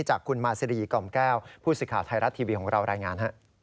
จากคุณมาซีรีกล่อมแก้วผู้สื่อข่าวไทยรัฐทีวีของเรารายงาน